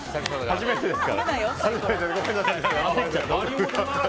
初めてですからね。